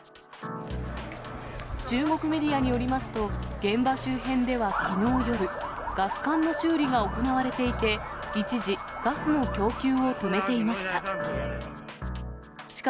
中国メディアによりますと、現場周辺ではきのう夜、ガス管の修理が行われていて、一時、ガスの供給を止めていました。